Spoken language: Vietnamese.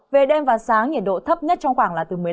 về đêm và sáng nhiệt độ thấp nhất trong khoảng là từ một mươi năm